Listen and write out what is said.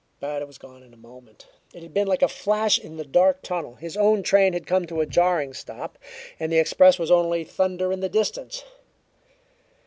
But it was gone in a moment. It had been like a flash in the dark tunnel. His own train had come to a jarring stop, and the express was only thunder in the distance.